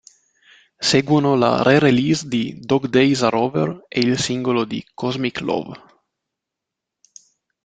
Seguono la re-release di "Dog Days Are Over" e il singolo di "Cosmic Love".